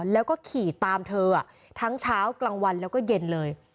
แล้วก็ขี่ตามเธอทั้งเช้ากลางวันแล้วก็เย็นเลย